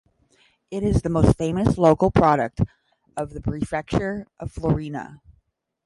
It is the most famous local product of the prefecture of Florina.